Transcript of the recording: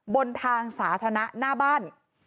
บนทางสาธารณะหน้าบ้าน